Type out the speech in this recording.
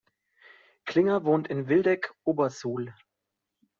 Klinger wohnt in Wildeck-Obersuhl.